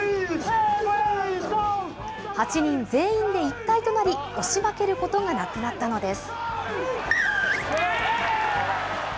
８人全員で一体となり、押し負けることがなくなったのです。